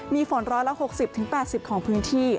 มีฝนร้อยละ๖๐๘๐ของพื้นที่